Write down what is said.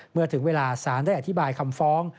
เมื่อถึงเวลาสารได้อธิบายคำฟ้อง